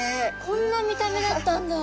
こんな見た目だったんだ！